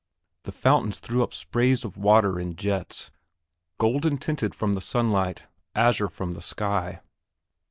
The fountains threw up sprays of water in jets, golden tinted from the sun light, azure from the sky....